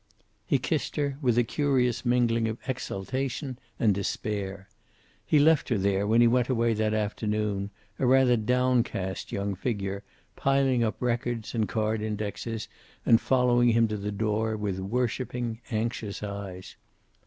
He kissed her, with a curious mingling of exultation and despair. He left her there when he went away that afternoon, a rather downcast young figure, piling up records and card indexes, and following him to the door with worshiping, anxious eyes.